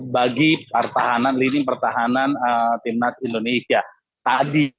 bagi pertahanan lini pertahanan timnas indonesia